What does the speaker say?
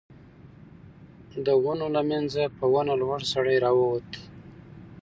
د ونو له مينځه په ونه لوړ سړی را ووت.